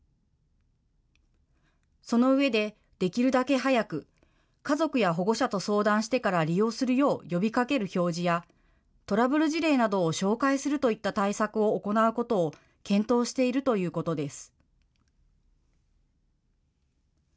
その上で、できるだけ早く、家族や保護者と相談してから利用するよう呼びかける表示や、トラブル事例などを紹介するといった対策を行うことを検討しているということです。